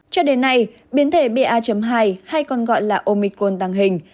cho đến nay biến thể ba hai hay còn gọi là omicron tăng hình